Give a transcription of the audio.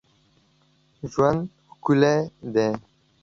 ژوند ښکلی دی